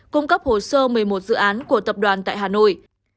cung cấp hồ sơ một mươi một dự án của tập đoàn tại hà nội